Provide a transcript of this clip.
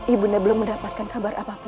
ibu nda belum mendapatkan kabar apapun